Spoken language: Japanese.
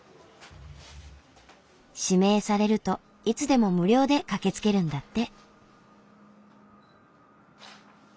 指名されるといつでも無料で駆けつけるんだって。